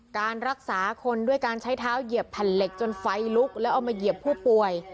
การรักษาคนด้วยการใช้เท้าเหยียบแผ่นเหล็กจนไฟลุกแล้วเอามาเหยียบผู้ป่วย